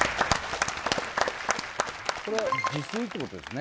これ自炊ってことですね？